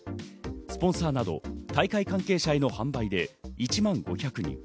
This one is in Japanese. スポンサーなど、大会関係者への販売で１万５００人。